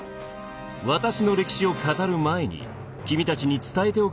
私の歴史を語る前に君たちに伝えておくべきことがある。